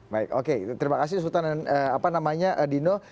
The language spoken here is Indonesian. baik oke terima kasih sultan dino